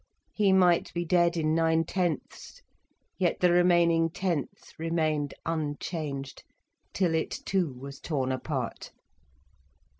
He might be dead in nine tenths, yet the remaining tenth remained unchanged, till it too was torn apart.